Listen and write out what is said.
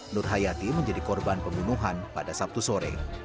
nur hayati menjadi korban pembunuhan pada sabtu sore